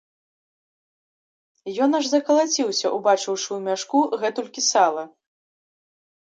Ён аж закалаціўся, убачыўшы ў мяшку гэтулькі сала.